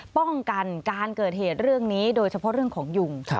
ป้องกันการเกิดเหตุเรื่องนี้โดยเฉพาะเรื่องของยุง